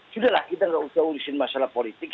sudahlah kita nggak usah urusin masalah politik